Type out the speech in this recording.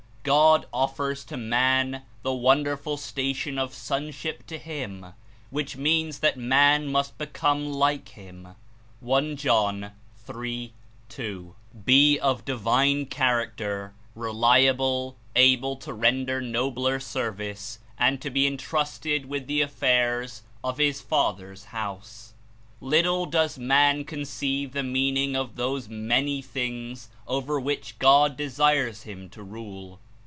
God offers to, man the won Thc derful station of sonship to him, which Primary means that man must become like him ^ School ^j^ John 3. 2.), be of a divine charac ter, reliable, able to render nobler service and to be entrusted with the affairs of his Father's House. Little does man conceive the meaning of those "many" things over w^hich God desires him to rule.